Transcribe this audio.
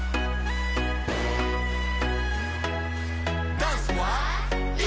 ダンスはＥ！